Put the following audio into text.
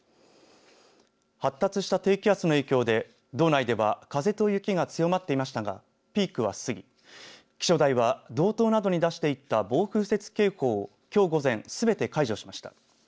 発達した低気圧の影響で道内では風と雪が強まっていましたがピークは過ぎ気象台は、道東などに出していた暴風雪警報をきょう午前すべて解除しました。